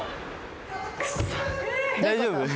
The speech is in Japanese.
大丈夫？